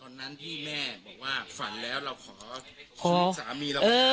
ตอนนั้นที่แม่บอกว่าฝั่นแล้วเราขอซูนิสสามีนะอย่างนี้